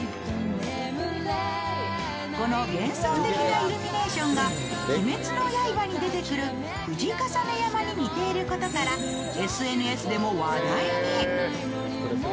この幻想的なイルミネーションが「鬼滅の刃」に出てくる藤襲山に似ていることから、ＳＮＳでも話題に。